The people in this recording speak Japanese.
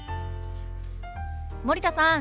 森田さん